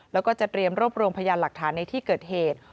แล้วก็จะเตรียมรวบรวมพยานหลักฐานในที่เกิดเหตุ